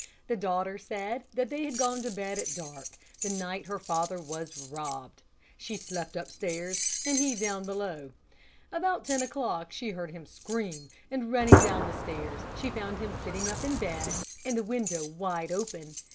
The daughter said that they had gone to bed at dark the night her father was robbed. She slept up stairs, and he down below. About ten o'clock she heard him scream, and running down stairs, she found him sitting up in bed, and the window wide open.